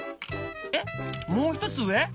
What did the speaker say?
えっもう一つ上！？